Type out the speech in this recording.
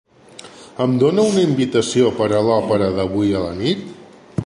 Em dona una invitació per a l'òpera d'avui a la nit?